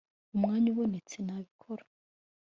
Umwanya ubonetse nabikora